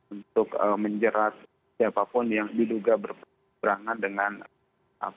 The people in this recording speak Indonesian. untuk menjerat siapapun yang diduga berperangkat dengan hbp rizik syihab